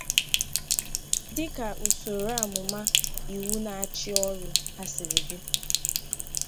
dịka usoro amụma iwu na-achị ọrụ ha siri dị.